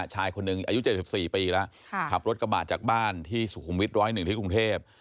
ชายคนหนึ่งอายุ๗๔ปีแล้วขับรถกระบาดจากบ้านที่สุขุมวิทย๑๐๑ที่กรุงเทพ